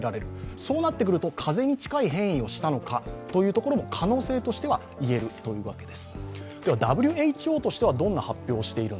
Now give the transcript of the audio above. そうなってくると風邪に近い変異をしたのかということも可能性としては言えるというわけです。